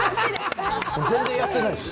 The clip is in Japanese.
全然やってないです。